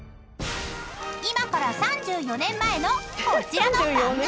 ［今から３４年前のこちらの番組］